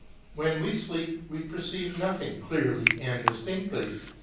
When we sleep we perceive nothing clearly and distinctly (§ 15).